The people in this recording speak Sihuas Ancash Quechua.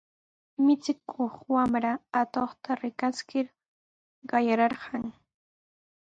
Michikuq wamra atuqta rikaskir qayararqan.